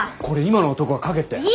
これ今の男が書けって？